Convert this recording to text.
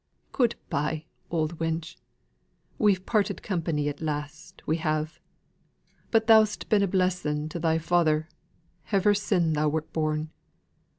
"Good bye, ou'd wench! We've parted company at last, we have! But thou'st been a blessin' to thy father ever sin' thou wert born.